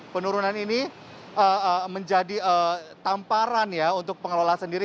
penurunan ini menjadi tamparan ya untuk pengelola sendiri